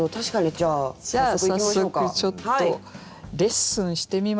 じゃあ早速ちょっとレッスンしてみましょう。